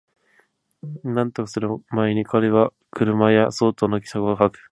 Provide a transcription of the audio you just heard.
邂逅する毎に彼は車屋相当の気焔を吐く